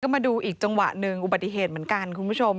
มาดูอีกจังหวะหนึ่งอุบัติเหตุเหมือนกันคุณผู้ชม